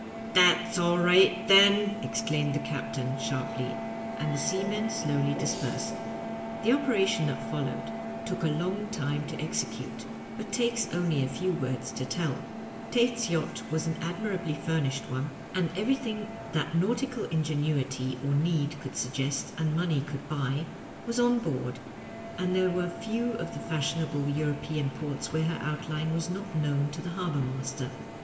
" That's all right, then," exclaimed the captain, sharp ly ; and the seamen slowly dispersed. The operation that followed took a long time to exe cute, but takes only a few words to tell. Tate's yacht was an admirably furnished one, and everything that nautical ingenuity or need could suggest and money could buy, was on board, and there were few of the fashionable European ports where her outline was sot known to the harbor master.